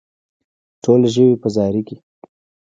ټوله ژوي په زاري کې.